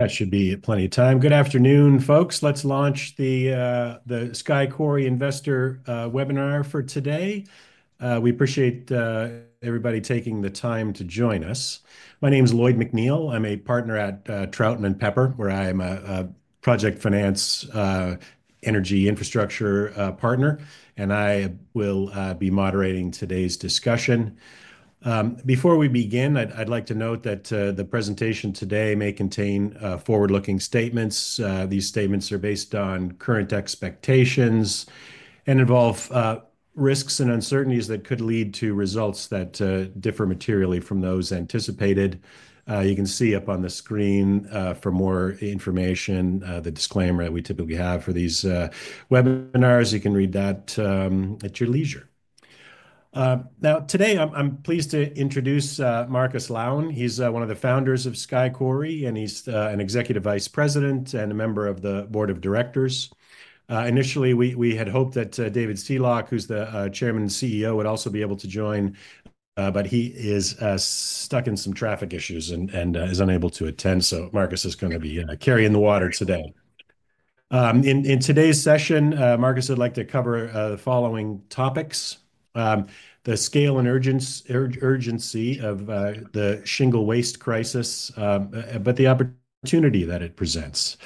That should be plenty of time. Good afternoon, folks. Let's launch the Sky Quarry Investor webinar for today. We appreciate everybody taking the time to join us. My name is Lloyd MacNeil. I'm a partner at Troutman Pepper, where I am a project finance, energy infrastructure partner, and I will be moderating today's discussion. Before we begin, I'd like to note that the presentation today may contain forward-looking statements. These statements are based on current expectations and involve risks and uncertainties that could lead to results that differ materially from those anticipated. You can see up on the screen, for more information, the disclaimer that we typically have for these webinars. You can read that at your leisure. Now, today, I'm pleased to introduce Marcus Laun. He's one of the founders of Sky Quarry, and he's an Executive Vice President and a member of the board of directors. Initially, we had hoped that David Sealock, who's the Chairman and CEO, would also be able to join, but he is stuck in some traffic issues and is unable to attend. Marcus is gonna be carrying the water today. In today's session, Marcus would like to cover the following topics: the scale and urgency of the shingle waste crisis, but the opportunity that it presents.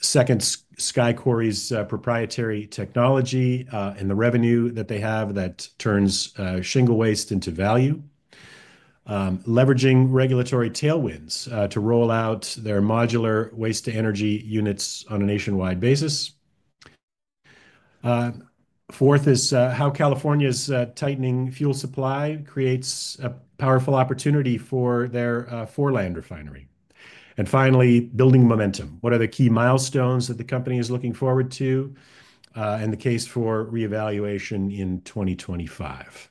Second, Sky Quarry's proprietary technology, and the revenue that they have that turns shingle waste into value. Leveraging regulatory tailwinds to roll out their modular waste-to-energy units on a nationwide basis. Fourth is how California's tightening fuel supply creates a powerful opportunity for their Foreland Refining Corporation refinery. And finally, building momentum. What are the key milestones that the company is looking forward to, and the case for reevaluation in 2025?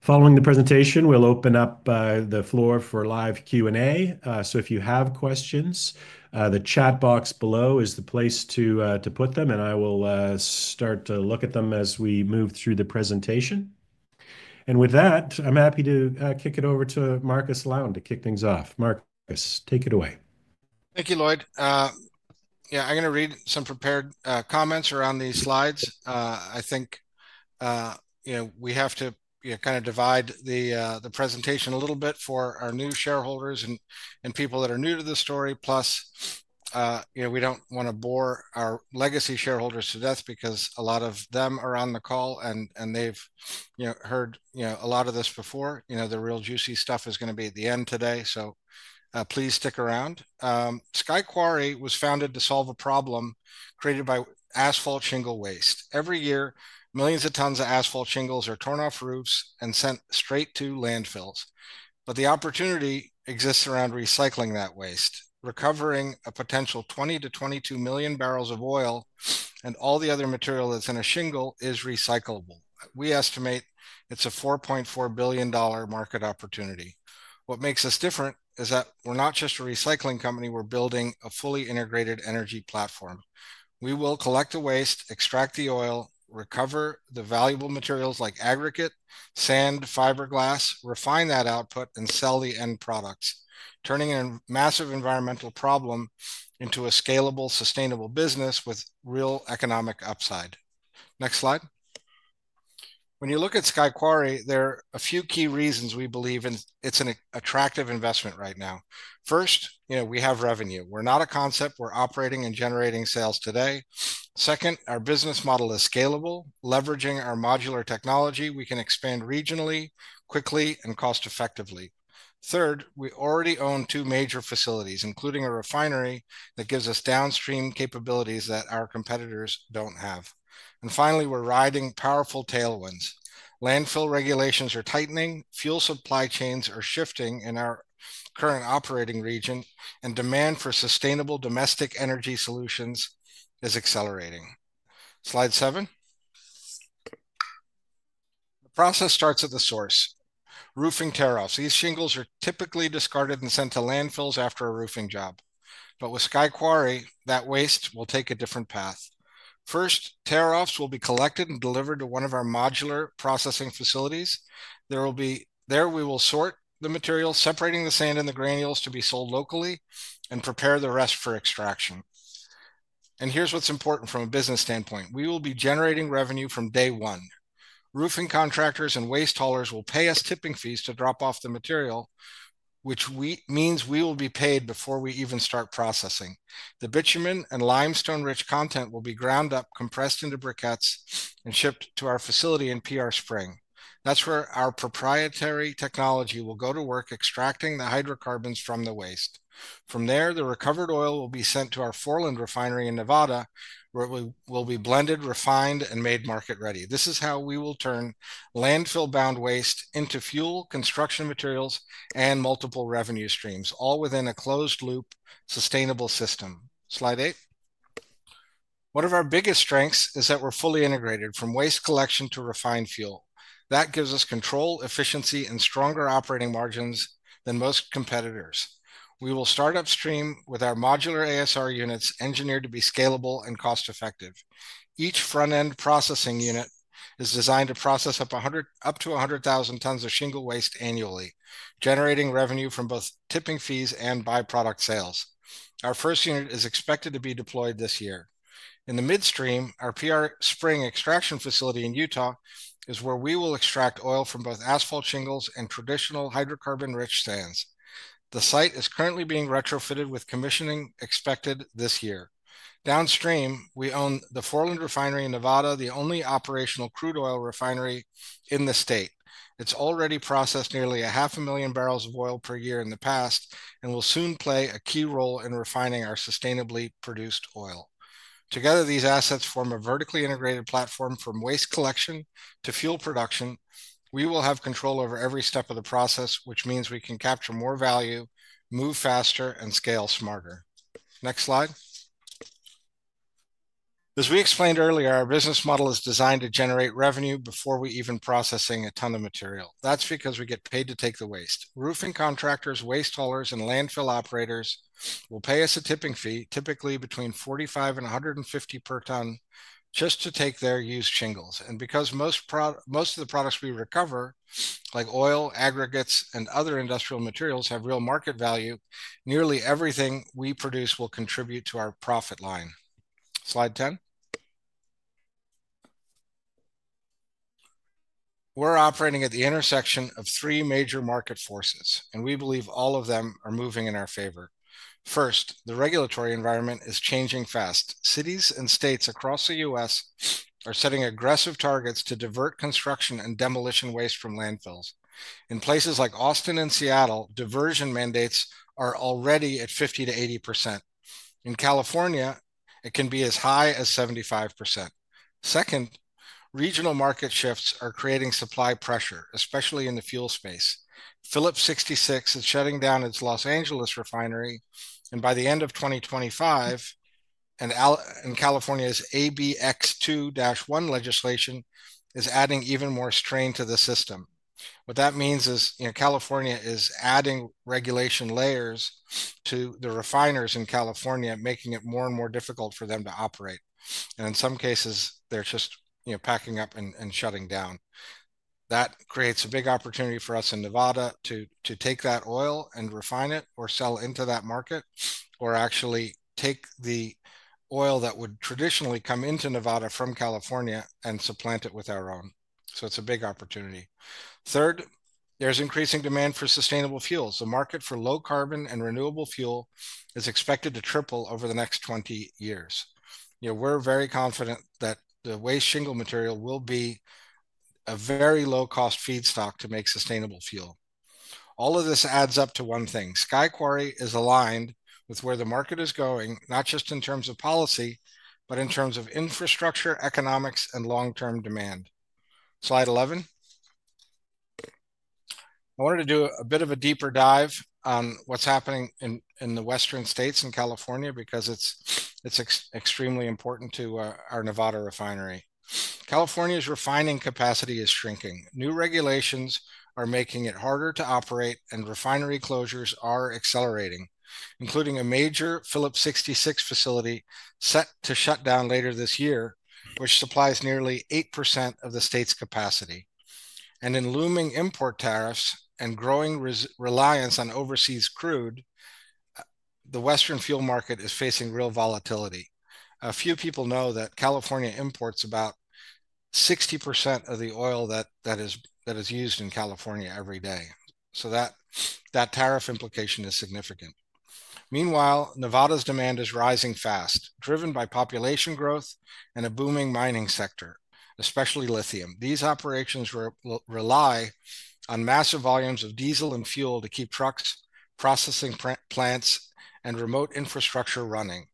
Following the presentation, we'll open up the floor for live Q&A. If you have questions, the chat box below is the place to put them, and I will start to look at them as we move through the presentation. With that, I'm happy to kick it over to Marcus Laun to kick things off. Marcus, take it away. Thank you, Lloyd. Yeah, I'm gonna read some prepared comments around these slides. I think, you know, we have to, you know, kind of divide the presentation a little bit for our new shareholders and people that are new to the story. Plus, you know, we don't want to bore our legacy shareholders to death because a lot of them are on the call and they've, you know, heard, you know, a lot of this before. You know, the real juicy stuff is gonna be at the end today. Please stick around. Sky Quarry was founded to solve a problem created by asphalt shingle waste. Every year, millions of tons of asphalt shingles are torn off roofs and sent straight to landfills. The opportunity exists around recycling that waste, recovering a potential 20-22 million barrels of oil and all the other material that's in a shingle is recyclable. We estimate it's a $4.4 billion market opportunity. What makes us different is that we're not just a recycling company. We're building a fully integrated energy platform. We will collect the waste, extract the oil, recover the valuable materials like aggregate, sand, fiberglass, refine that output, and sell the end products, turning a massive environmental problem into a scalable, sustainable business with real economic upside. Next slide. When you look at Sky Quarry, there are a few key reasons we believe it's an attractive investment right now. First, you know, we have revenue. We're not a concept. We're operating and generating sales today. Second, our business model is scalable. Leveraging our modular technology, we can expand regionally quickly and cost-effectively. Third, we already own two major facilities, including a refinery that gives us downstream capabilities that our competitors do not have. Finally, we are riding powerful tailwinds. Landfill regulations are tightening, fuel supply chains are shifting in our current operating region, and demand for sustainable domestic energy solutions is accelerating. Slide seven. The process starts at the source: roofing tear-offs. These shingles are typically discarded and sent to landfills after a roofing job. With Sky Quarry, that waste will take a different path. First, tear-offs will be collected and delivered to one of our modular processing facilities. There, we will sort the materials, separating the sand and the granules to be sold locally, and prepare the rest for extraction. Here is what is important from a business standpoint. We will be generating revenue from day one. Roofing contractors and waste haulers will pay us tipping fees to drop off the material, which means we will be paid before we even start processing. The bitumen and limestone-rich content will be ground up, compressed into briquettes, and shipped to our facility in PR Spring. That's where our proprietary technology will go to work extracting the hydrocarbons from the waste. From there, the recovered oil will be sent to our Foreland Refining Corporation refinery in Nevada, where it will be blended, refined, and made market-ready. This is how we will turn landfill-bound waste into fuel, construction materials, and multiple revenue streams, all within a closed-loop sustainable system. Slide eight. One of our biggest strengths is that we're fully integrated from waste collection to refined fuel. That gives us control, efficiency, and stronger operating margins than most competitors. We will start upstream with our modular ASR units engineered to be scalable and cost-effective. Each front-end processing unit is designed to process up to 100,000 tons of shingle waste annually, generating revenue from both tipping fees and byproduct sales. Our first unit is expected to be deployed this year. In the midstream, our PR Spring extraction facility in Utah is where we will extract oil from both asphalt shingles and traditional hydrocarbon-rich sands. The site is currently being retrofitted with commissioning expected this year. Downstream, we own the Foreland Refining Corporation refinery in Nevada, the only operational crude oil refinery in the state. It has already processed nearly 500,000 barrels of oil per year in the past and will soon play a key role in refining our sustainably produced oil. Together, these assets form a vertically integrated platform from waste collection to fuel production. We will have control over every step of the process, which means we can capture more value, move faster, and scale smarter. Next slide. As we explained earlier, our business model is designed to generate revenue before we even process a ton of material. That's because we get paid to take the waste. Roofing contractors, waste haulers, and landfill operators will pay us a tipping fee, typically between $45 and $150 per ton, just to take their used shingles. Because most of the products we recover, like oil, aggregates, and other industrial materials, have real market value, nearly everything we produce will contribute to our profit line. Slide 10. We're operating at the intersection of three major market forces, and we believe all of them are moving in our favor. First, the regulatory environment is changing fast. Cities and states across the U.S. are setting aggressive targets to divert construction and demolition waste from landfills. In places like Austin and Seattle, diversion mandates are already at 50-80%. In California, it can be as high as 75%. Second, regional market shifts are creating supply pressure, especially in the fuel space. Phillips 66 is shutting down its Los Angeles refinery by the end of 2025, and in California, ABX2-1 legislation is adding even more strain to the system. What that means is, you know, California is adding regulation layers to the refiners in California, making it more and more difficult for them to operate. In some cases, they're just, you know, packing up and shutting down. That creates a big opportunity for us in Nevada to take that oil and refine it or sell into that market or actually take the oil that would traditionally come into Nevada from California and supplant it with our own. It is a big opportunity. Third, there is increasing demand for sustainable fuels. The market for low carbon and renewable fuel is expected to triple over the next 20 years. You know, we are very confident that the waste shingle material will be a very low-cost feedstock to make sustainable fuel. All of this adds up to one thing. Sky Quarry is aligned with where the market is going, not just in terms of policy, but in terms of infrastructure, economics, and long-term demand. Slide 11. I wanted to do a bit of a deeper dive on what's happening in the western states in California because it's extremely important to our Nevada refinery. California's refining capacity is shrinking. New regulations are making it harder to operate, and refinery closures are accelerating, including a major Phillips 66 facility set to shut down later this year, which supplies nearly 8% of the state's capacity. In looming import tariffs and growing reliance on overseas crude, the western fuel market is facing real volatility. A few people know that California imports about 60% of the oil that is used in California every day. That tariff implication is significant. Meanwhile, Nevada's demand is rising fast, driven by population growth and a booming mining sector, especially lithium. These operations rely on massive volumes of diesel and fuel to keep trucks, processing plants, and remote infrastructure running.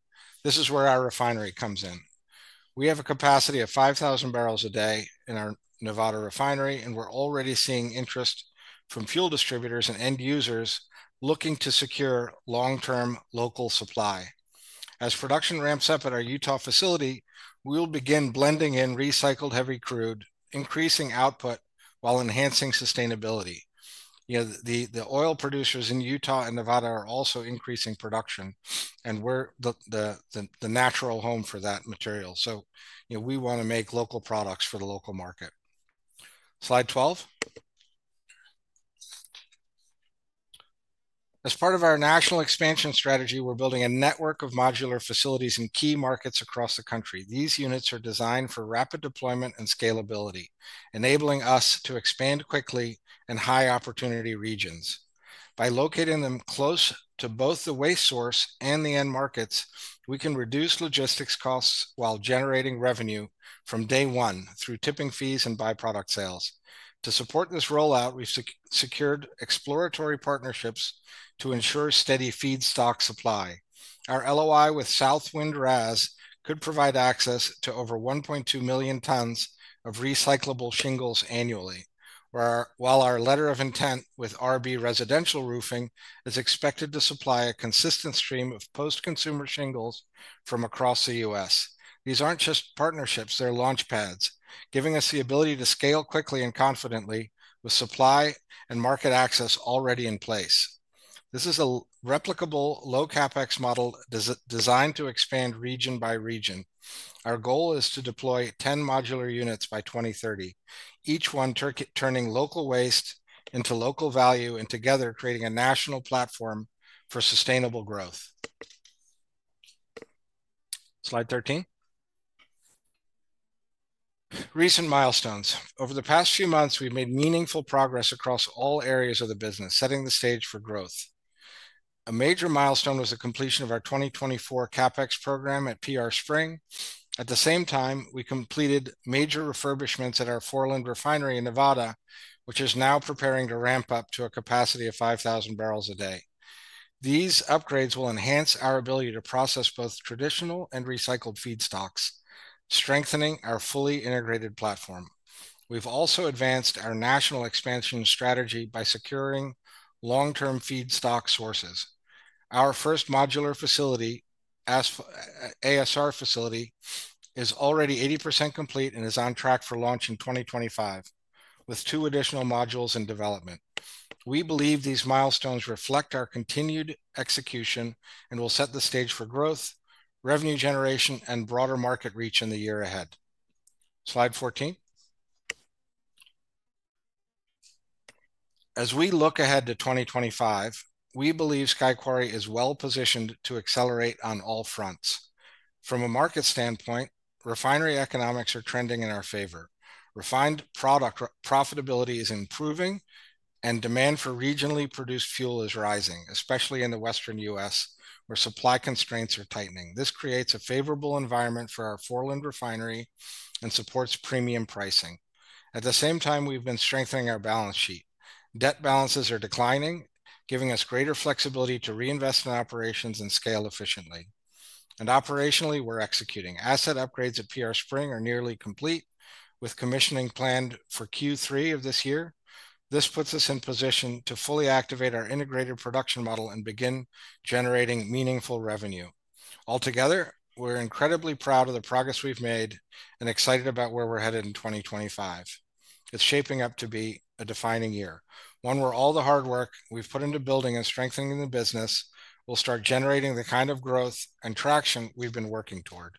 This is where our refinery comes in. We have a capacity of 5,000 barrels a day in our Nevada refinery, and we're already seeing interest from fuel distributors and end users looking to secure long-term local supply. As production ramps up at our Utah facility, we'll begin blending in recycled heavy crude, increasing output while enhancing sustainability. You know, the oil producers in Utah and Nevada are also increasing production, and we're the natural home for that material. So, you know, we wanna make local products for the local market. Slide 12. As part of our national expansion strategy, we're building a network of modular facilities in key markets across the country. These units are designed for rapid deployment and scalability, enabling us to expand quickly in high-opportunity regions. By locating them close to both the waste source and the end markets, we can reduce logistics costs while generating revenue from day one through tipping fees and byproduct sales. To support this rollout, we've secured exploratory partnerships to ensure steady feedstock supply. Our LOI with Southwind RAS could provide access to over 1.2 million tons of recyclable shingles annually, while our letter of intent with RB Residential Roofing is expected to supply a consistent stream of post-consumer shingles from across the U.S. These aren't just partnerships. They're launchpads, giving us the ability to scale quickly and confidently with supply and market access already in place. This is a replicable low CapEx model designed to expand region by region. Our goal is to deploy 10 modular units by 2030, each one turning local waste into local value and together creating a national platform for sustainable growth. Slide 13. Recent milestones. Over the past few months, we've made meaningful progress across all areas of the business, setting the stage for growth. A major milestone was the completion of our 2024 CapEx program at PR Spring. At the same time, we completed major refurbishments at our Foreland Refinery in Nevada, which is now preparing to ramp up to a capacity of 5,000 barrels a day. These upgrades will enhance our ability to process both traditional and recycled feedstocks, strengthening our fully integrated platform. We've also advanced our national expansion strategy by securing long-term feedstock sources. Our first modular facility, ASR facility, is already 80% complete and is on track for launch in 2025, with two additional modules in development. We believe these milestones reflect our continued execution and will set the stage for growth, revenue generation, and broader market reach in the year ahead. Slide 14. As we look ahead to 2025, we believe Sky Quarry is well-positioned to accelerate on all fronts. From a market standpoint, refinery economics are trending in our favor. Refined product profitability is improving, and demand for regionally produced fuel is rising, especially in the western U.S., where supply constraints are tightening. This creates a favorable environment for our Foreland Refinery and supports premium pricing. At the same time, we've been strengthening our balance sheet. Debt balances are declining, giving us greater flexibility to reinvest in operations and scale efficiently. Operationally, we're executing. Asset upgrades at PR Spring are nearly complete, with commissioning planned for Q3 of this year. This puts us in position to fully activate our integrated production model and begin generating meaningful revenue. Altogether, we're incredibly proud of the progress we've made and excited about where we're headed in 2025. It's shaping up to be a defining year, one where all the hard work we've put into building and strengthening the business will start generating the kind of growth and traction we've been working toward.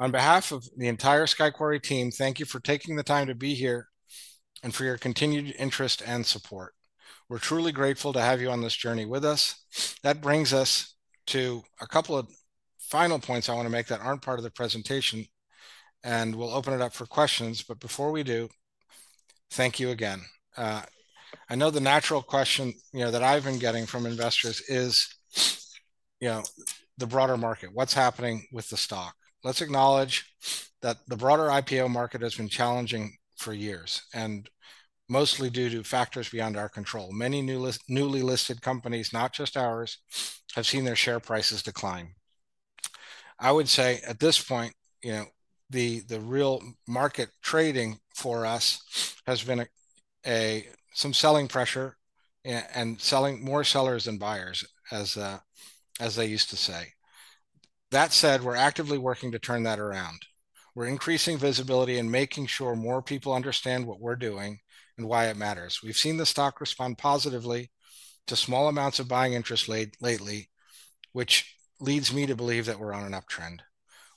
On behalf of the entire Sky Quarry team, thank you for taking the time to be here and for your continued interest and support. We're truly grateful to have you on this journey with us. That brings us to a couple of final points I wanna make that aren't part of the presentation, and we'll open it up for questions. Before we do, thank you again. I know the natural question, you know, that I've been getting from investors is, you know, the broader market, what's happening with the stock? Let's acknowledge that the broader IPO market has been challenging for years, and mostly due to factors beyond our control. Many newly listed companies, not just ours, have seen their share prices decline. I would say at this point, you know, the real market trading for us has been some selling pressure and selling, more sellers than buyers, as they used to say. That said, we're actively working to turn that around. We're increasing visibility and making sure more people understand what we're doing and why it matters. We've seen the stock respond positively to small amounts of buying interest lately, which leads me to believe that we're on an uptrend.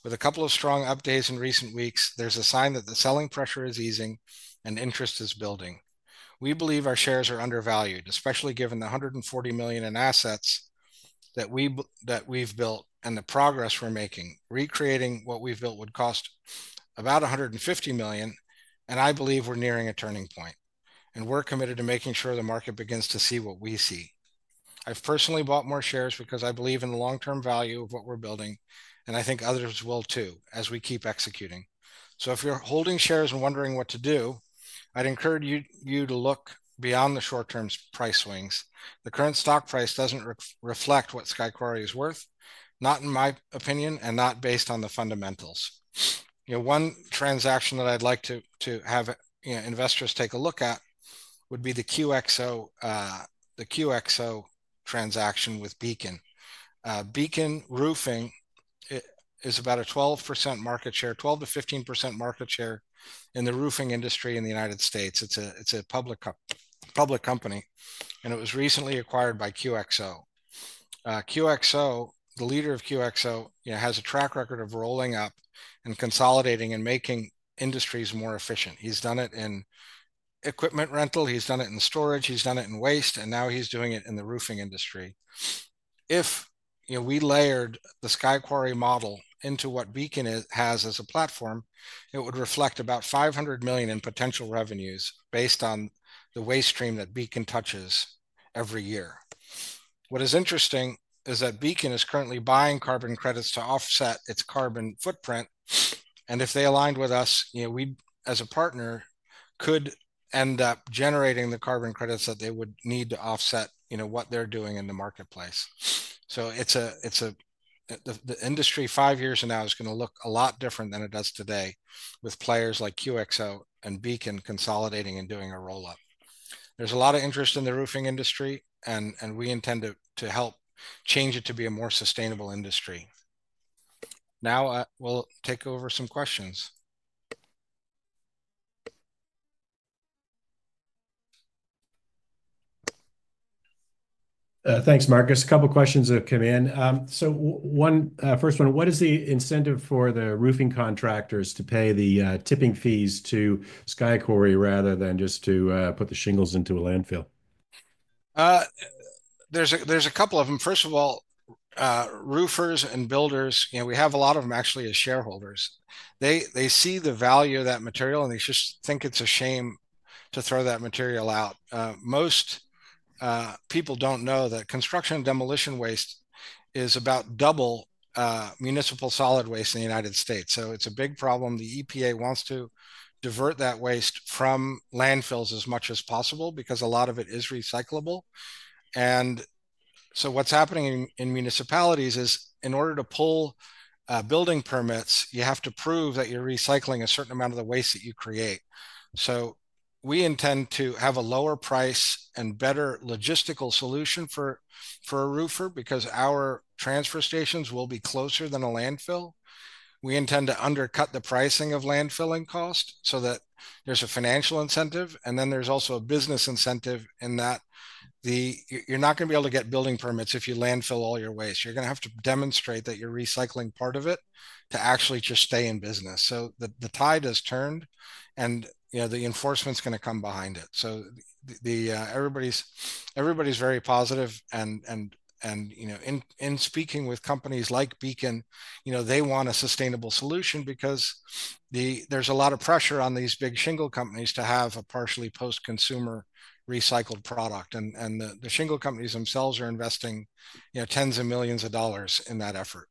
With a couple of strong updates in recent weeks, there's a sign that the selling pressure is easing and interest is building. We believe our shares are undervalued, especially given the $140 million in assets that we've built and the progress we're making. Recreating what we've built would cost about $150 million, and I believe we're nearing a turning point, and we're committed to making sure the market begins to see what we see. I've personally bought more shares because I believe in the long-term value of what we're building, and I think others will too as we keep executing. If you're holding shares and wondering what to do, I'd encourage you to look beyond the short-term price swings. The current stock price doesn't reflect what Sky Quarry is worth, not in my opinion and not based on the fundamentals. You know, one transaction that I'd like to, to have, you know, investors take a look at would be the QXO, the QXO transaction with Beacon. Beacon Roofing, it is about a 12% market share, 12-15% market share in the roofing industry in the United States. It's a, it's a public, public company, and it was recently acquired by QXO. QXO, the leader of QXO, you know, has a track record of rolling up and consolidating and making industries more efficient. He's done it in equipment rental, he's done it in storage, he's done it in waste, and now he's doing it in the roofing industry. If, you know, we layered the Sky Quarry model into what Beacon has as a platform, it would reflect about $500 million in potential revenues based on the waste stream that Beacon touches every year. What is interesting is that Beacon is currently buying carbon credits to offset its carbon footprint, and if they aligned with us, you know, we as a partner could end up generating the carbon credits that they would need to offset, you know, what they're doing in the marketplace. It is a, the industry five years from now is gonna look a lot different than it does today with players like QXO and Beacon consolidating and doing a roll-up. There's a lot of interest in the roofing industry, and we intend to help change it to be a more sustainable industry. Now, we'll take over some questions. Thanks, Marcus. A couple of questions that have come in. One, first one, what is the incentive for the roofing contractors to pay the tipping fees to Sky Quarry rather than just to put the shingles into a landfill? There's a, there's a couple of 'em. First of all, roofers and builders, you know, we have a lot of 'em actually as shareholders. They, they see the value of that material, and they just think it's a shame to throw that material out. Most people don't know that construction demolition waste is about double municipal solid waste in the United States. It's a big problem. The EPA wants to divert that waste from landfills as much as possible because a lot of it is recyclable. What's happening in municipalities is in order to pull building permits, you have to prove that you're recycling a certain amount of the waste that you create. We intend to have a lower price and better logistical solution for a roofer because our transfer stations will be closer than a landfill. We intend to undercut the pricing of landfilling cost so that there's a financial incentive, and then there's also a business incentive in that you're not gonna be able to get building permits if you landfill all your waste. You're gonna have to demonstrate that you're recycling part of it to actually just stay in business. The tide has turned, and, you know, the enforcement's gonna come behind it. Everybody's very positive and, you know, in speaking with companies like Beacon, you know, they want a sustainable solution because there's a lot of pressure on these big shingle companies to have a partially post-consumer recycled product. The shingle companies themselves are investing, you know, tens of millions of dollars in that effort.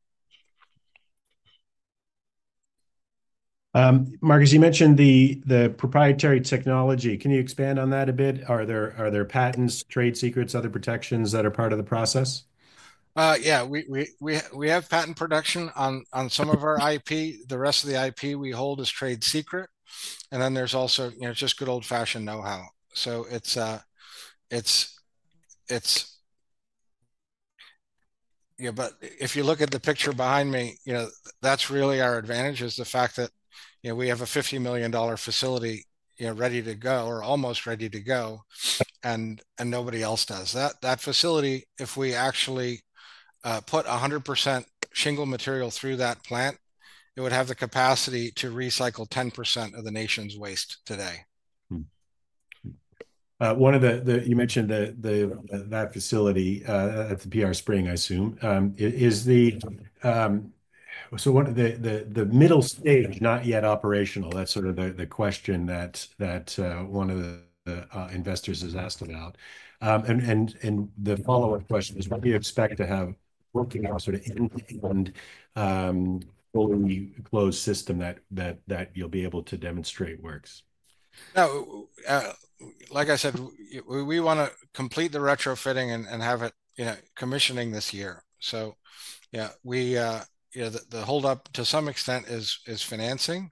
Marcus, you mentioned the proprietary technology. Can you expand on that a bit? Are there patents, trade secrets, other protections that are part of the process? Yeah, we have patent protection on some of our IP. The rest of the IP we hold is trade secret, and then there's also, you know, just good old-fashioned know-how. So it's, yeah, but if you look at the picture behind me, you know, that's really our advantage is the fact that, you know, we have a $50 million facility, you know, ready to go, or almost ready to go, and nobody else does that. That facility, if we actually put 100% shingle material through that plant, it would have the capacity to recycle 10% of the nation's waste today. You mentioned that facility at the PR Spring, I assume. Is the middle stage not yet operational? That's sort of the question that one of the investors has asked about. The follow-up question is, what do you expect to have working out, sort of end-to-end, fully closed system that you'll be able to demonstrate works? No, like I said, we want to complete the retrofitting and have it, you know, commissioning this year. Yeah, we, you know, the holdup to some extent is financing,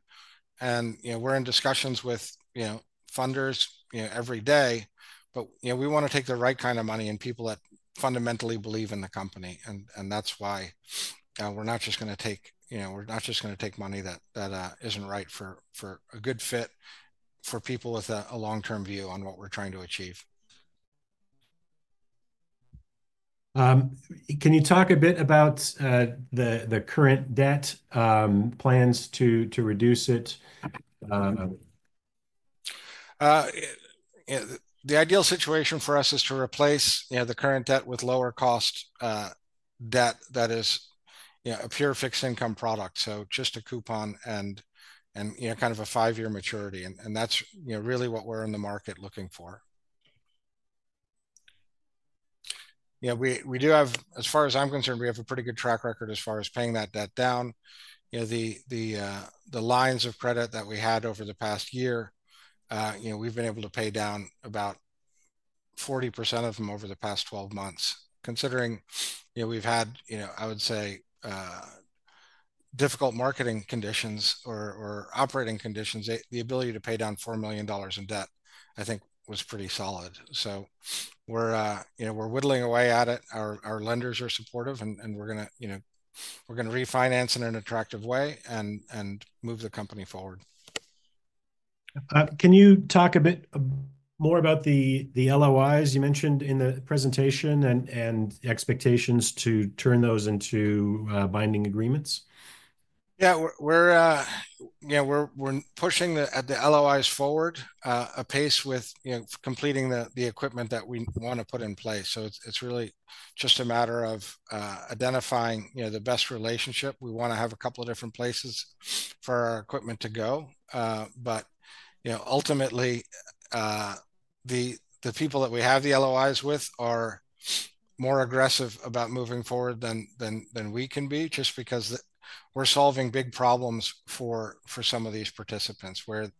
and, you know, we're in discussions with, you know, funders every day, but, you know, we wanna take the right kind of money and people that fundamentally believe in the company. That's why we're not just gonna take money that isn't right for a good fit for people with a long-term view on what we're trying to achieve. Can you talk a bit about the current debt, plans to reduce it? Yeah, the ideal situation for us is to replace, you know, the current debt with lower cost debt that is, you know, a pure fixed income product. So just a coupon and, you know, kind of a five-year maturity. That is, you know, really what we're in the market looking for. Yeah, we do have, as far as I'm concerned, we have a pretty good track record as far as paying that debt down. You know, the lines of credit that we had over the past year, we've been able to pay down about 40% of them over the past 12 months. Considering, you know, we've had, I would say, difficult marketing conditions or operating conditions, the ability to pay down $4 million in debt, I think, was pretty solid. We are, you know, whittling away at it. Our lenders are supportive, and we are going to, you know, refinance in an attractive way and move the company forward. Can you talk a bit more about the, the LOIs you mentioned in the presentation and expectations to turn those into binding agreements? Yeah, we're, you know, we're pushing the LOIs forward, a pace with, you know, completing the equipment that we want to put in place. It's really just a matter of identifying, you know, the best relationship. We want to have a couple of different places for our equipment to go. You know, ultimately, the people that we have the LOIs with are more aggressive about moving forward than we can be just because we're solving big problems for some of these participants where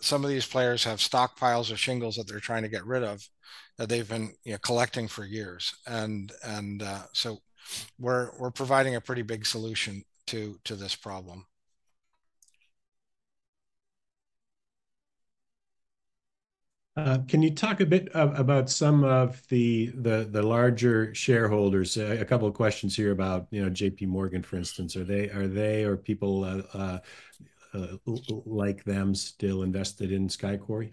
some of these players have stockpiles of shingles that they're trying to get rid of that they've been collecting for years. We're providing a pretty big solution to this problem. Can you talk a bit about some of the larger shareholders? A couple of questions here about, you know, JPMorgan, for instance. Are they, are they or people like them still invested in Sky Quarry?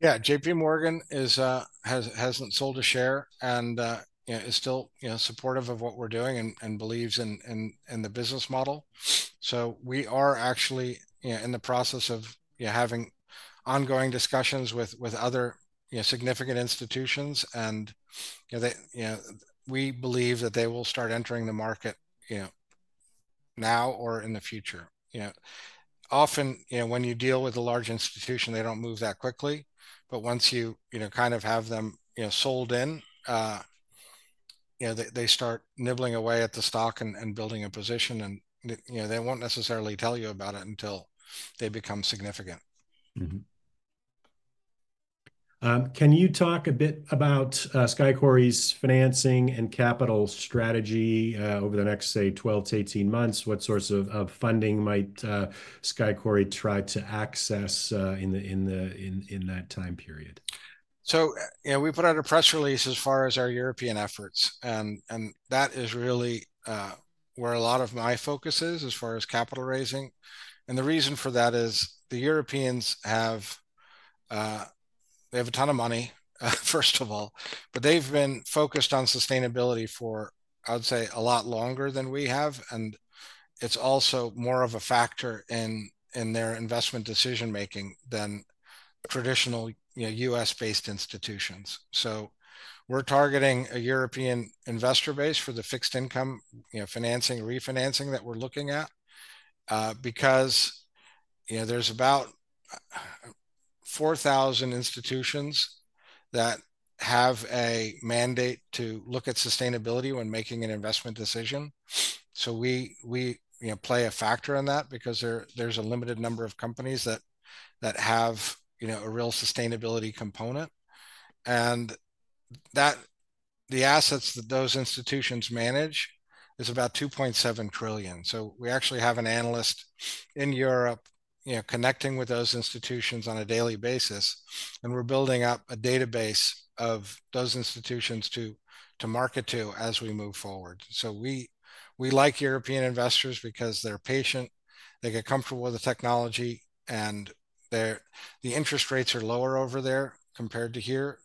Yeah, JPMorgan hasn't sold a share and, you know, is still, you know, supportive of what we're doing and believes in the business model. We are actually, you know, in the process of having ongoing discussions with other significant institutions. You know, we believe that they will start entering the market, you know, now or in the future. You know, often, you know, when you deal with a large institution, they don't move that quickly, but once you, you know, kind of have them, you know, sold in, you know, they start nibbling away at the stock and, and building a position, and, you know, they won't necessarily tell you about it until they become significant. Mm-hmm. Can you talk a bit about Sky Quarry's financing and capital strategy, over the next, say, 12 to 18 months? What sorts of, of funding might Sky Quarry try to access, in the, in the, in, in that time period? You know, we put out a press release as far as our European efforts, and that is really where a lot of my focus is as far as capital raising. The reason for that is the Europeans have, they have a ton of money, first of all, but they've been focused on sustainability for, I would say, a lot longer than we have. It's also more of a factor in, in their investment decision-making than traditional, you know, U.S.-based institutions. We're targeting a European investor base for the fixed income, you know, financing, refinancing that we're looking at, because, you know, there's about 4,000 institutions that have a mandate to look at sustainability when making an investment decision. We, we, you know, play a factor in that because there, there's a limited number of companies that, that have, you know, a real sustainability component. The assets that those institutions manage is about $2.7 trillion. We actually have an analyst in Europe, you know, connecting with those institutions on a daily basis, and we're building up a database of those institutions to market to as we move forward. We like European investors because they're patient, they get comfortable with the technology, and the interest rates are lower over there compared to here.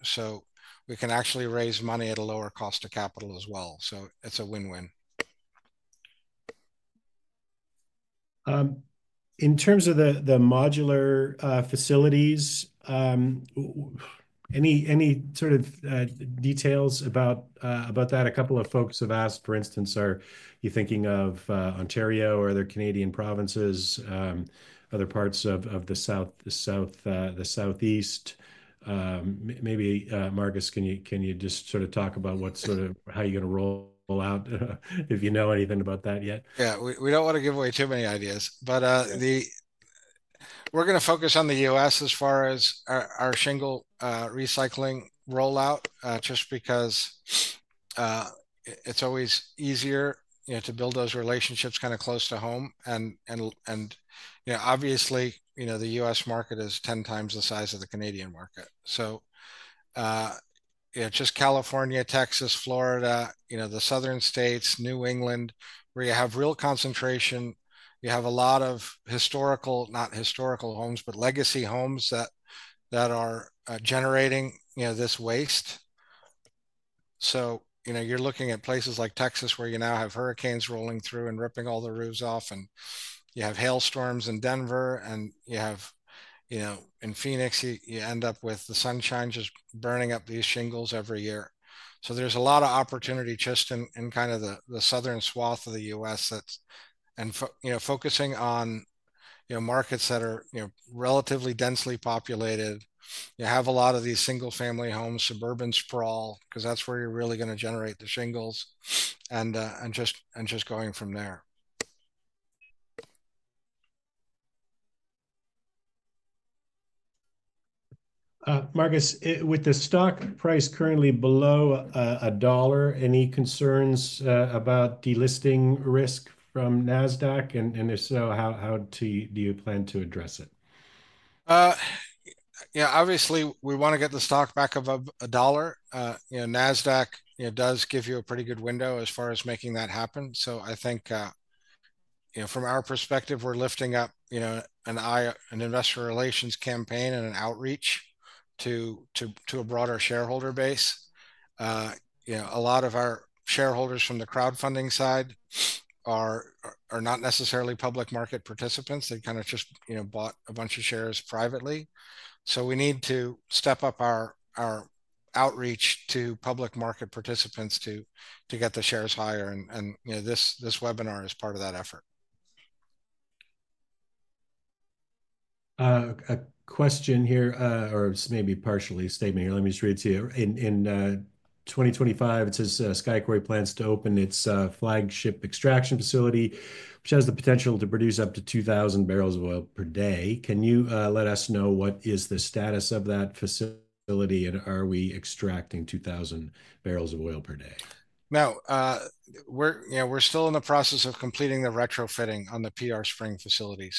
We can actually raise money at a lower cost of capital as well. It's a win-win. In terms of the modular facilities, any sort of details about that? A couple of folks have asked, for instance, are you thinking of Ontario or other Canadian provinces, other parts of the south, the south, the southeast? Maybe, Marcus, can you just sort of talk about what sort of, how you're gonna roll out, if you know anything about that yet? Yeah, we don't wanna give away too many ideas, but we're gonna focus on the U.S. as far as our shingle recycling rollout, just because it's always easier, you know, to build those relationships kind of close to home. And, you know, obviously, you know, the U.S. market is 10 times the size of the Canadian market. You know, just California, Texas, Florida, the southern states, New England, where you have real concentration, you have a lot of historical, not historical homes, but legacy homes that are generating, you know, this waste. You know, you're looking at places like Texas where you now have hurricanes rolling through and ripping all the roofs off, and you have hailstorms in Denver, and you have, you know, in Phoenix, you end up with the sunshine just burning up these shingles every year. There is a lot of opportunity just in, in kind of the southern swath of the U.S. that is, you know, focusing on, you know, markets that are, you know, relatively densely populated. You have a lot of these single-family homes, suburban sprawl, because that is where you are really going to generate the shingles. And just going from there. Marcus, with the stock price currently below a dollar, any concerns about delisting risk from NASDAQ? If so, how do you plan to address it? Yeah, obviously we want to get the stock back above a dollar. You know, NASDAQ does give you a pretty good window as far as making that happen. I think, you know, from our perspective, we are lifting up, you know, an investor relations campaign and an outreach to a broader shareholder base. You know, a lot of our shareholders from the crowdfunding side are not necessarily public market participants. They kind of just, you know, bought a bunch of shares privately. We need to step up our outreach to public market participants to get the shares higher. You know, this webinar is part of that effort. A question here, or maybe partially statement here. Let me just read it to you. In 2025, it says, Sky Quarry plans to open its flagship extraction facility, which has the potential to produce up to 2,000 barrels of oil per day. Can you let us know what is the status of that facility and are we extracting 2,000 barrels of oil per day? No, we're, you know, we're still in the process of completing the retrofitting on the PR Spring facility.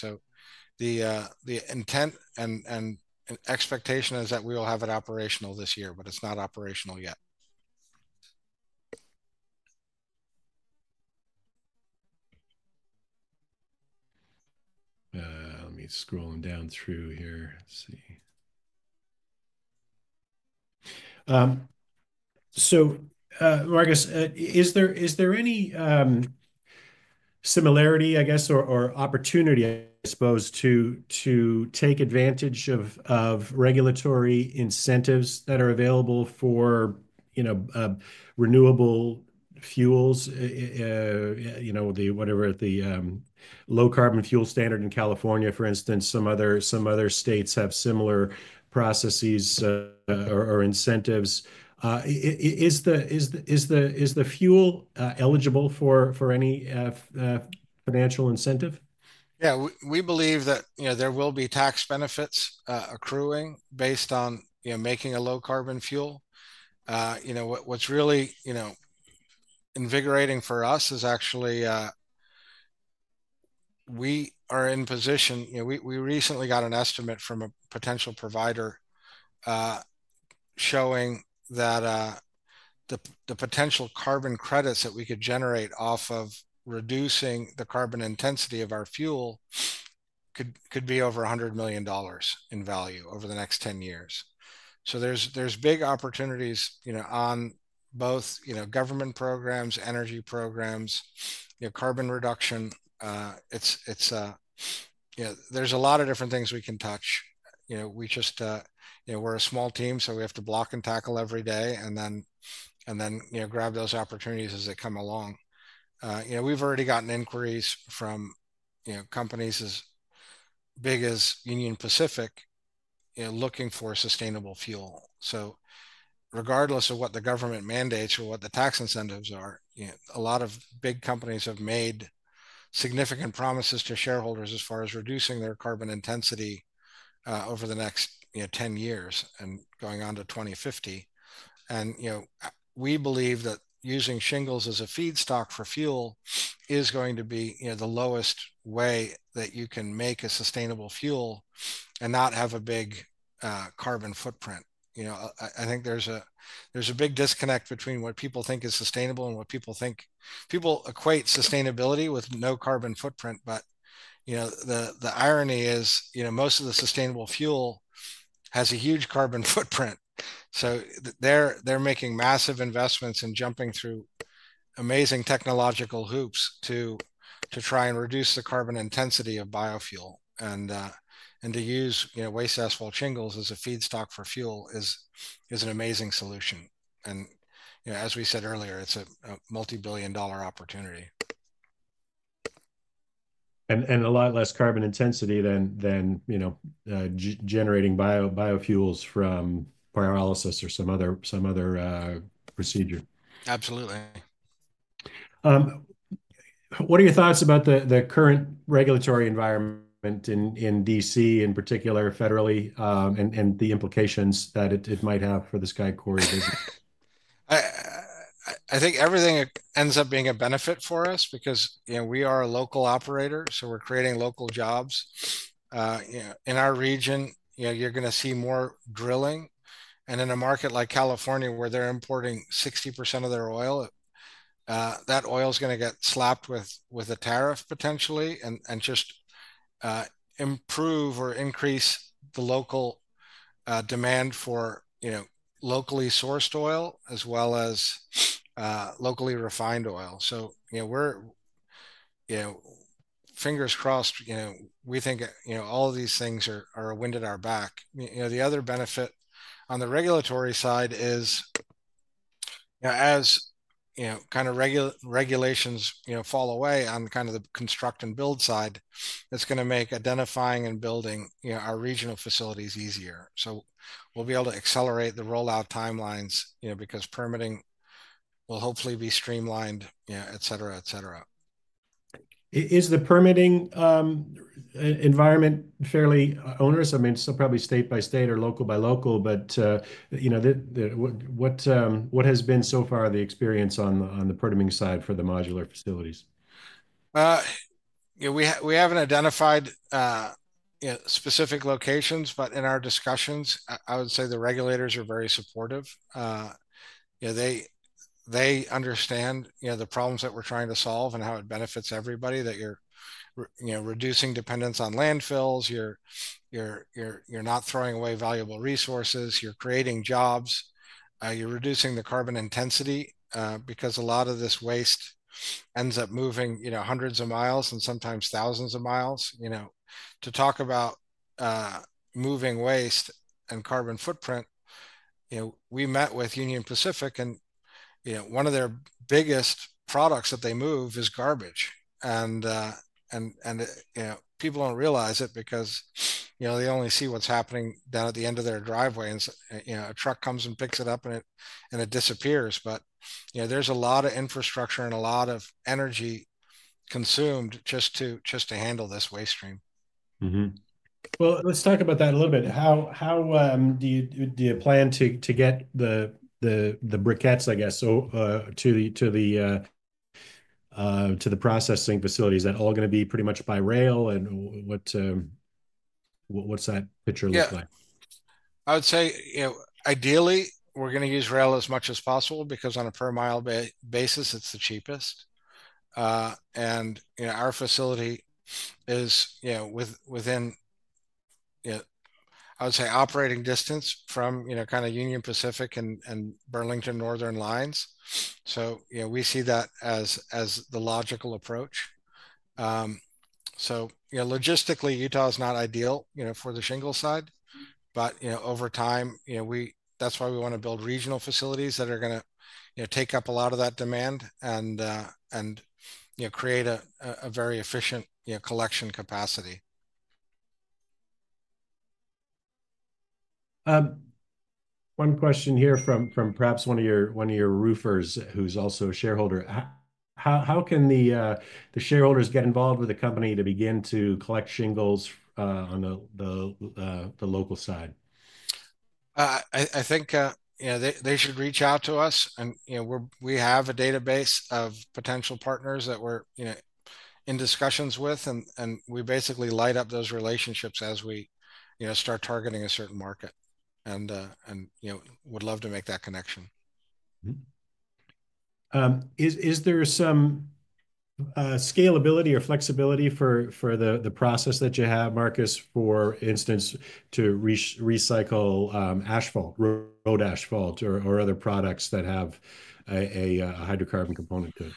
The intent and expectation is that we will have it operational this year, but it's not operational yet. Let me scroll down through here. Let's see. Marcus, is there any similarity, I guess, or opportunity, I suppose, to take advantage of regulatory incentives that are available for, you know, renewable fuels? You know, the, whatever the low carbon fuel standard in California, for instance, some other states have similar processes or incentives. Is the fuel eligible for any financial incentive? Yeah, we believe that, you know, there will be tax benefits accruing based on, you know, making a low carbon fuel. You know, what, what's really, you know, invigorating for us is actually, we are in position, you know, we, we recently got an estimate from a potential provider, showing that, the, the potential carbon credits that we could generate off of reducing the carbon intensity of our fuel could, could be over $100 million in value over the next 10 years. There are big opportunities, you know, on both, you know, government programs, energy programs, you know, carbon reduction. It's, it's, you know, there's a lot of different things we can touch. You know, we just, you know, we're a small team, so we have to block and tackle every day and then, and then, you know, grab those opportunities as they come along. You know, we've already gotten inquiries from, you know, companies as big as Union Pacific, you know, looking for sustainable fuel. Regardless of what the government mandates or what the tax incentives are, you know, a lot of big companies have made significant promises to shareholders as far as reducing their carbon intensity over the next, you know, 10 years and going on to 2050. You know, we believe that using shingles as a feedstock for fuel is going to be, you know, the lowest way that you can make a sustainable fuel and not have a big carbon footprint. You know, I think there's a big disconnect between what people think is sustainable and what people think, people equate sustainability with no carbon footprint. The irony is, you know, most of the sustainable fuel has a huge carbon footprint. They're making massive investments in jumping through amazing technological hoops to try and reduce the carbon intensity of biofuel. To use, you know, waste asphalt shingles as a feedstock for fuel is an amazing solution. You know, as we said earlier, it's a multi-billion dollar opportunity. A lot less carbon intensity than, you know, generating biofuels from pyrolysis or some other procedure. Absolutely. What are your thoughts about the current regulatory environment in D.C. in particular, federally, and the implications that it might have for the Sky Quarry business? I think everything ends up being a benefit for us because, you know, we are a local operator, so we're creating local jobs. You know, in our region, you know, you're gonna see more drilling. In a market like California, where they're importing 60% of their oil, that oil's gonna get slapped with a tariff potentially and just improve or increase the local demand for, you know, locally sourced oil as well as locally refined oil. You know, we're, you know, fingers crossed, you know, we think, you know, all of these things are a wind at our back. You know, the other benefit on the regulatory side is, you know, as, you know, kind of regulations, you know, fall away on kind of the construct and build side, it's gonna make identifying and building, you know, our regional facilities easier. We'll be able to accelerate the rollout timelines, you know, because permitting will hopefully be streamlined, you know, et cetera, et cetera. Is the permitting environment fairly onerous? I mean, still probably state by state or local by local, but, you know, what has been so far the experience on the permitting side for the modular facilities? You know, we haven't identified specific locations, but in our discussions, I would say the regulators are very supportive. You know, they understand, you know, the problems that we're trying to solve and how it benefits everybody that you're, you know, reducing dependence on landfills, you're not throwing away valuable resources, you're creating jobs, you're reducing the carbon intensity, because a lot of this waste ends up moving, you know, hundreds of miles and sometimes thousands of miles. You know, to talk about moving waste and carbon footprint, you know, we met with Union Pacific and, you know, one of their biggest products that they move is garbage. And, you know, people don't realize it because, you know, they only see what's happening down at the end of their driveway and, you know, a truck comes and picks it up and it disappears. But, you know, there's a lot of infrastructure and a lot of energy consumed just to handle this waste stream. Mm-hmm. Let's talk about that a little bit. How do you plan to get the briquettes, I guess, to the processing facilities? Is that all gonna be pretty much by rail? What does that picture look like? Yeah, I would say, you know, ideally we're gonna use rail as much as possible because on a per mile basis, it's the cheapest. You know, our facility is, you know, within, you know, I would say operating distance from, you know, kind of Union Pacific and Burlington Northern lines. You know, we see that as the logical approach. Logistically, Utah is not ideal, you know, for the shingle side, but, you know, over time, you know, we, that's why we wanna build regional facilities that are gonna, you know, take up a lot of that demand and, you know, create a very efficient, you know, collection capacity. One question here from, from perhaps one of your, one of your roofers who's also a shareholder. How can the shareholders get involved with the company to begin to collect shingles on the local side? I think, you know, they should reach out to us and, you know, we have a database of potential partners that we're in discussions with and we basically light up those relationships as we start targeting a certain market and, you know, would love to make that connection. Mm-hmm. Is there some scalability or flexibility for the process that you have, Marcus, for instance, to re-recycle asphalt, road asphalt or other products that have a hydrocarbon component to it?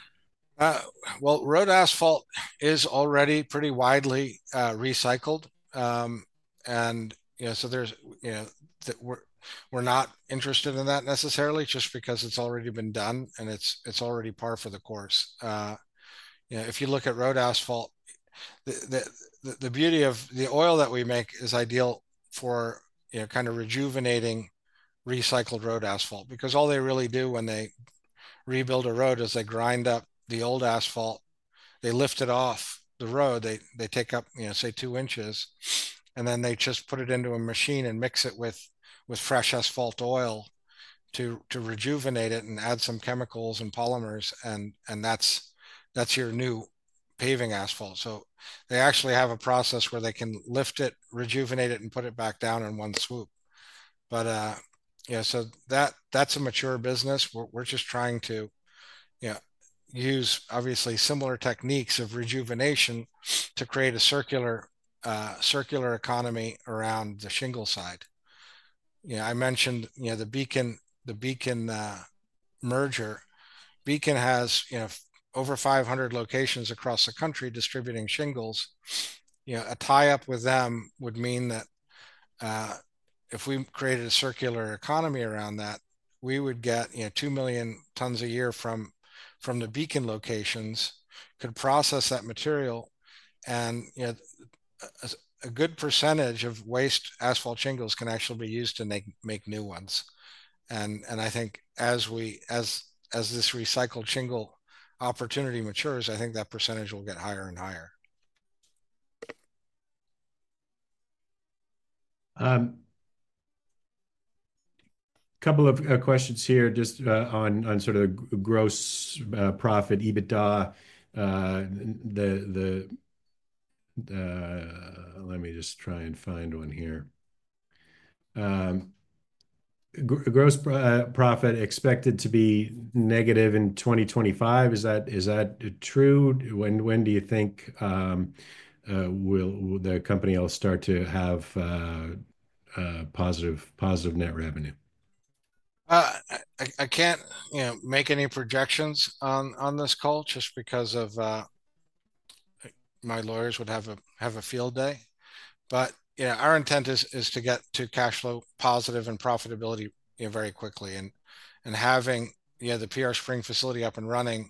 Road asphalt is already pretty widely recycled. And, you know, so there's, you know, that we're, we're not interested in that necessarily just because it's already been done and it's, it's already par for the course. You know, if you look at road asphalt, the, the, the beauty of the oil that we make is ideal for, you know, kind of rejuvenating recycled road asphalt because all they really do when they rebuild a road is they grind up the old asphalt, they lift it off the road, they, they take up, you know, say 2 inches and then they just put it into a machine and mix it with, with fresh asphalt oil to, to rejuvenate it and add some chemicals and polymers and, and that's, that's your new paving asphalt. So they actually have a process where they can lift it, rejuvenate it and put it back down in one swoop. You know, that is a mature business. We're just trying to, you know, use obviously similar techniques of rejuvenation to create a circular, circular economy around the shingle side. You know, I mentioned the Beacon merger. Beacon has, you know, over 500 locations across the country distributing shingles. You know, a tie up with them would mean that, if we created a circular economy around that, we would get, you know, 2 million tons a year from the Beacon locations, could process that material and, you know, a good percentage of waste asphalt shingles can actually be used to make new ones. I think as this recycled shingle opportunity matures, I think that percentage will get higher and higher. A couple of questions here just on sort of the gross profit, EBITDA, the, let me just try and find one here. Gross profit expected to be negative in 2025. Is that, is that true? When do you think will the company all start to have positive, positive net revenue? I, I can't, you know, make any projections on this call just because of, my lawyers would have a field day. But, you know, our intent is to get to cashflow positive and profitability, you know, very quickly. And having, you know, the PR Spring facility up and running,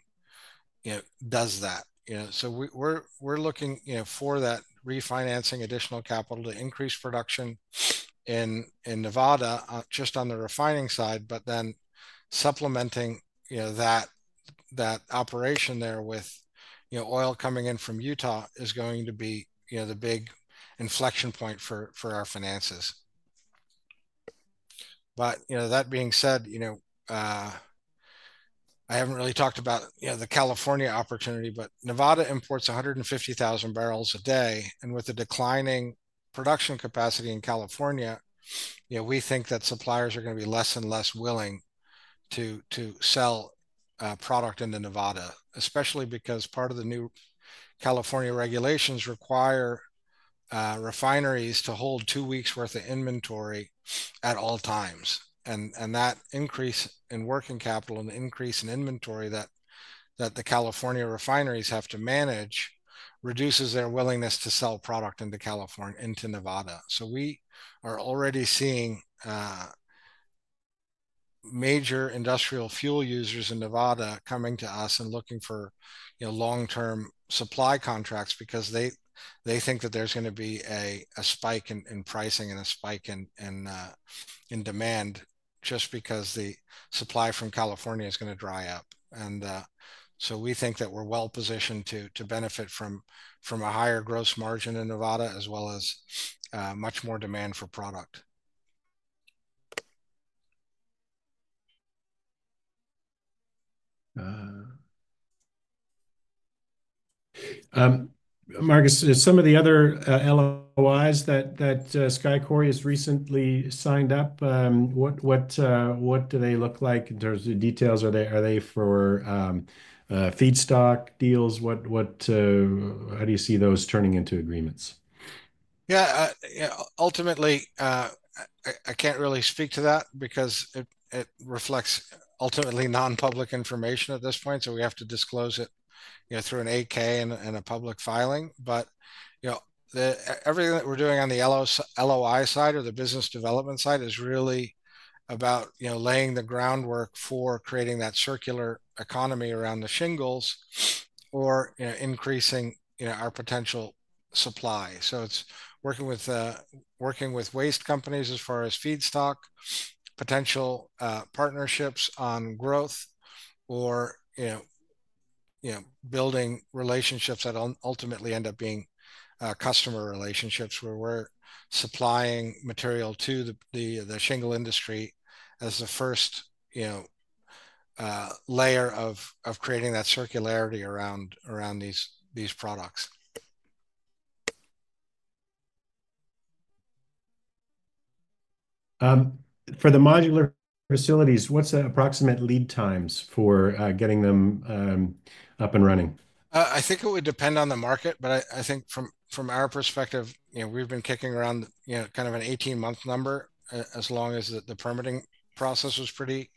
you know, does that, you know. We are looking, you know, for that refinancing, additional capital to increase production in Nevada, just on the refining side, but then supplementing, you know, that operation there with, you know, oil coming in from Utah is going to be, you know, the big inflection point for our finances. You know, that being said, you know, I have not really talked about, you know, the California opportunity, but Nevada imports 150,000 barrels a day. With the declining production capacity in California, you know, we think that suppliers are going to be less and less willing to sell product into Nevada, especially because part of the new California regulations require refineries to hold two weeks' worth of inventory at all times. That increase in working capital and the increase in inventory that the California refineries have to manage reduces their willingness to sell product into California, into Nevada. We are already seeing major industrial fuel users in Nevada coming to us and looking for, you know, long-term supply contracts because they think that there's gonna be a spike in pricing and a spike in demand just because the supply from California is gonna dry up. We think that we're well positioned to benefit from a higher gross margin in Nevada as well as much more demand for product. Marcus, some of the other LOIs that Sky Quarry has recently signed up, what do they look like in terms of the details? Are they for feedstock deals? What, what, how do you see those turning into agreements? Yeah, you know, ultimately, I can't really speak to that because it reflects ultimately non-public information at this point. We have to disclose it, you know, through an AK and a public filing. You know, everything that we're doing on the LOI side or the business development side is really about, you know, laying the groundwork for creating that circular economy around the shingles or increasing, you know, our potential supply. It's working with waste companies as far as feedstock potential, partnerships on growth or, you know, building relationships that ultimately end up being customer relationships where we're supplying material to the shingle industry as the first layer of creating that circularity around these products. For the modular facilities, what's the approximate lead times for getting them up and running? I think it would depend on the market, but I think from our perspective, you know, we've been kicking around, you know, kind of an 18-month number as long as the permitting process was pretty,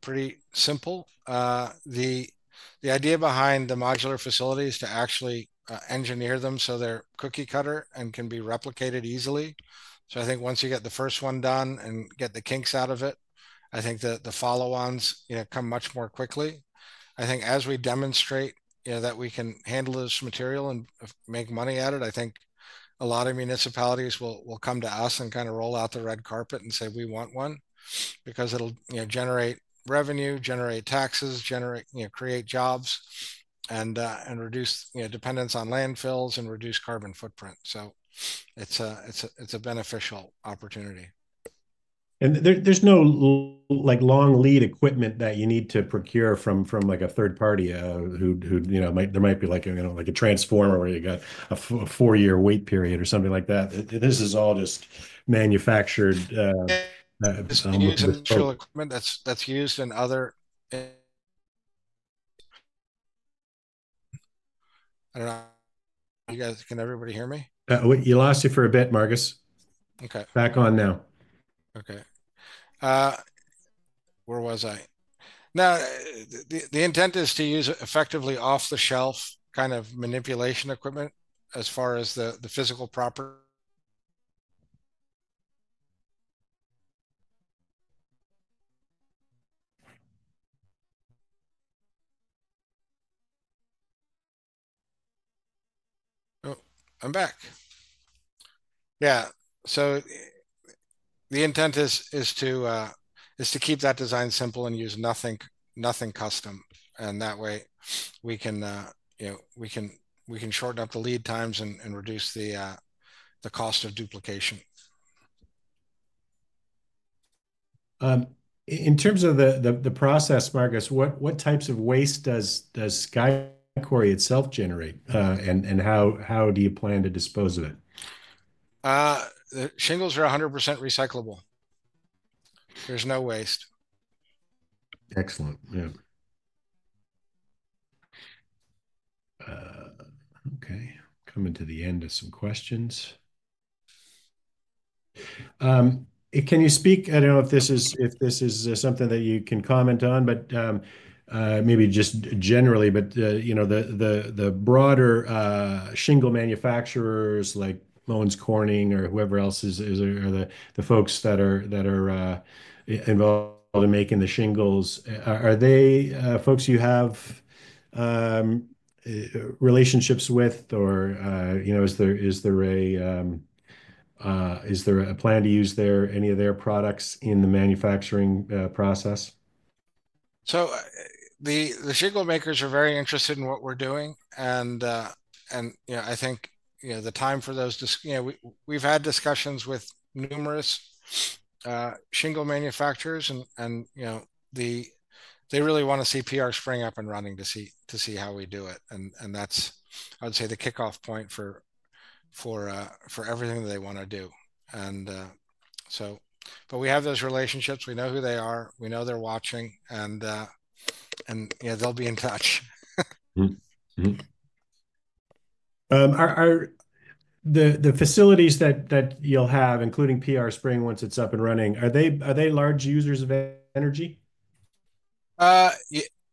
pretty simple. The idea behind the modular facility is to actually engineer them so they're cookie cutter and can be replicated easily. I think once you get the first one done and get the kinks out of it, I think the follow-ons, you know, come much more quickly. I think as we demonstrate, you know, that we can handle this material and make money at it, I think a lot of municipalities will come to us and kind of roll out the red carpet and say, we want one because it'll, you know, generate revenue, generate taxes, generate, you know, create jobs and reduce, you know, dependence on landfills and reduce carbon footprint. It is a beneficial opportunity. There is no like long lead equipment that you need to procure from, from like a third party, who, you know, might, there might be like, you know, like a transformer where you got a four-year wait period or something like that. This is all just manufactured, sounds like a little equipment that's used in other, I don't know, you guys, can everybody hear me? You lost you for a bit, Marcus. Okay. Back on now. Okay. Where was I? Now, the intent is to use effectively off-the-shelf kind of manipulation equipment as far as the physical property. Oh, I'm back. Yeah. The intent is to keep that design simple and use nothing custom. That way we can shorten up the lead times and reduce the cost of duplication. In terms of the process, Marcus, what types of waste does Sky Quarry itself generate? And how do you plan to dispose of it? The shingles are 100% recyclable. There's no waste. Excellent. Yeah. Okay. Coming to the end of some questions. Can you speak, I don't know if this is, if this is something that you can comment on, but, maybe just generally, but, you know, the, the, the broader shingle manufacturers like Owens Corning or whoever else is, is, are the, the folks that are, that are, involved in making the shingles, are, are they, folks you have, relationships with or, you know, is there, is there a, is there a plan to use their, any of their products in the manufacturing process? The shingle makers are very interested in what we're doing and, and, you know, I think, you know, the time for those disc, you know, we, we've had discussions with numerous shingle manufacturers and, and, you know, they really want to see PR Spring up and running to see, to see how we do it. That's, I would say, the kickoff point for everything that they wanna do. We have those relationships, we know who they are, we know they're watching, and, you know, they'll be in touch. Mm-hmm. Mm-hmm. Are the facilities that you'll have, including PR Spring once it's up and running, are they large users of energy?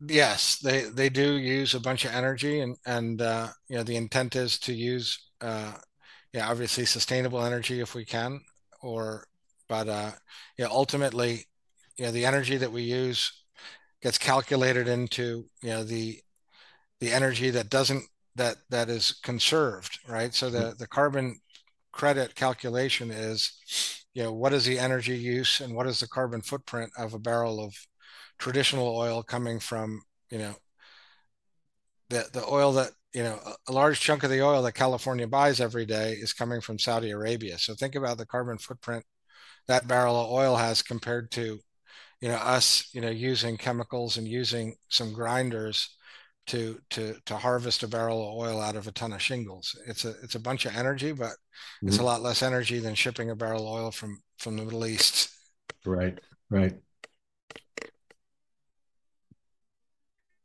Yes, they do use a bunch of energy, and, you know, the intent is to use, yeah, obviously sustainable energy if we can, but, you know, ultimately, the energy that we use gets calculated into the energy that is conserved, right? The carbon credit calculation is, you know, what is the energy use and what is the carbon footprint of a barrel of traditional oil coming from, you know, the oil that, you know, a large chunk of the oil that California buys every day is coming from Saudi Arabia. Think about the carbon footprint that barrel of oil has compared to, you know, us, you know, using chemicals and using some grinders to harvest a barrel of oil out of a ton of shingles. It's a bunch of energy, but it's a lot less energy than shipping a barrel of oil from the Middle East. Right.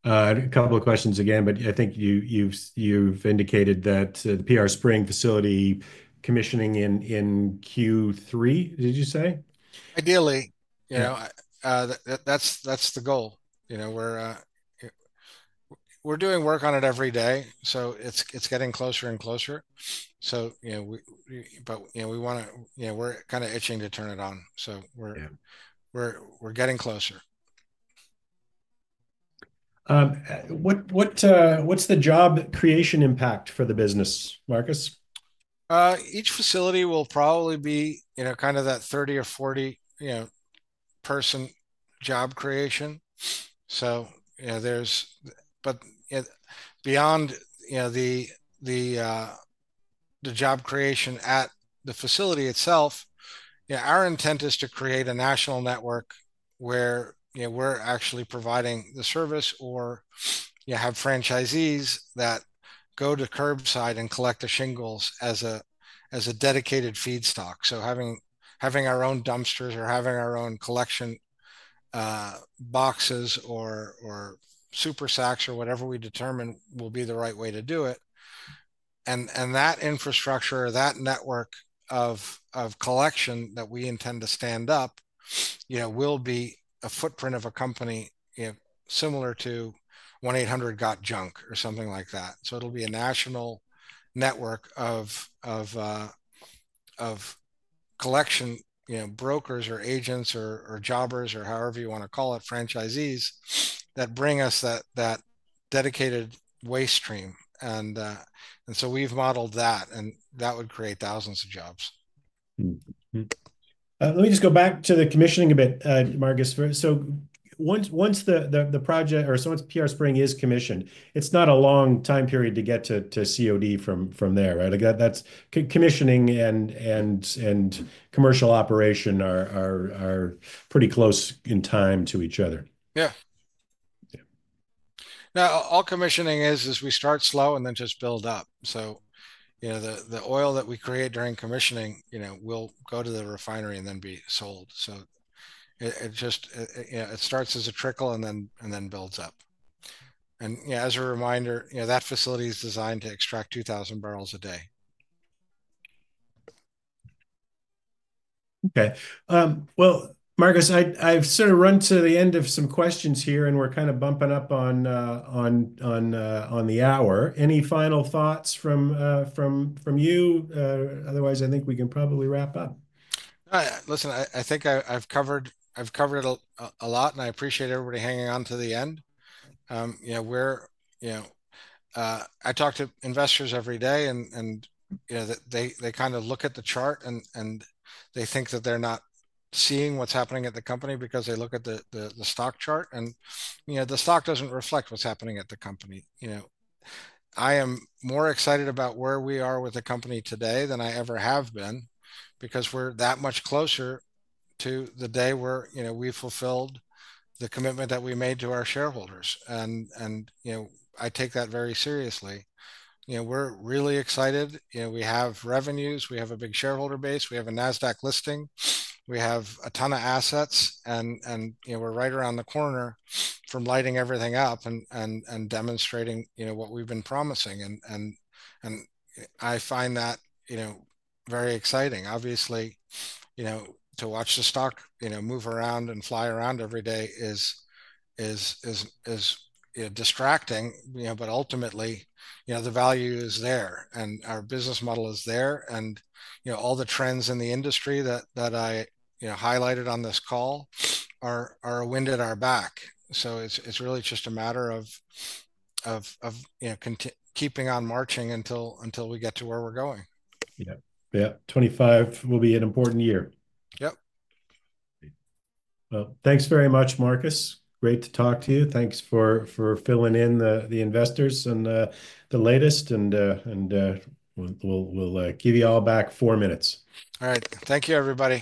A couple of questions again, but I think you've indicated that the PR Spring facility commissioning in Q3, did you say? Ideally, you know, that's the goal. You know, we're doing work on it every day. It's getting closer and closer. You know, we wanna, you know, we're kind of itching to turn it on. We're getting closer. What's the job creation impact for the business, Marcus? Each facility will probably be, you know, kind of that 30 or 40, you know, person job creation. You know, there's, but you know, beyond, you know, the job creation at the facility itself, our intent is to create a national network where, you know, we're actually providing the service or, you know, have franchisees that go to curbside and collect the shingles as a dedicated feedstock. Having our own dumpsters or having our own collection boxes or super sacks or whatever we determine will be the right way to do it, and that infrastructure, that network of collection that we intend to stand up, you know, will be a footprint of a company, you know, similar to 1-800-GOT-JUNK or something like that. It will be a national network of collection brokers or agents or jobbers or however you want to call it, franchisees that bring us that dedicated waste stream. We have modeled that and that would create thousands of jobs. Let me just go back to the commissioning a bit, Marcus. Once the project, or once PR Spring is commissioned, it is not a long time period to get to COD from there, right? Like that, that's commissioning and commercial operation are pretty close in time to each other. Yeah. Yeah. Now all commissioning is, is we start slow and then just build up. So, you know, the oil that we create during commissioning, you know, will go to the refinery and then be sold. So it just, you know, it starts as a trickle and then builds up. And yeah, as a reminder, you know, that facility is designed to extract 2,000 barrels a day. Okay. Marcus, I, I've sort of run to the end of some questions here and we're kind of bumping up on the hour. Any final thoughts from you? Otherwise I think we can probably wrap up. Listen, I think I've covered a lot and I appreciate everybody hanging on to the end. You know, I talk to investors every day and, you know, they kind of look at the chart and they think that they're not seeing what's happening at the company because they look at the stock chart and, you know, the stock doesn't reflect what's happening at the company. You know, I am more excited about where we are with the company today than I ever have been because we're that much closer to the day where, you know, we fulfilled the commitment that we made to our shareholders. You know, I take that very seriously. You know, we're really excited. You know, we have revenues, we have a big shareholder base, we have a NASDAQ listing, we have a ton of assets and, you know, we're right around the corner from lighting everything up and demonstrating, you know, what we've been promising. I find that, you know, very exciting. Obviously, you know, to watch the stock, you know, move around and fly around every day is distracting, you know, but ultimately, you know, the value is there and our business model is there and, you know, all the trends in the industry that I, you know, highlighted on this call are wind at our back. It is really just a matter of, you know, keeping on marching until we get to where we're going. Yeah. Yeah. 2025 will be an important year. Yep. Thanks very much, Marcus. Great to talk to you. Thanks for filling in the investors and the latest, and we'll give you all back four minutes. All right. Thank you, everybody.